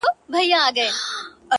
كله ـكله يې ديدن تــه لـيونـى سم ـ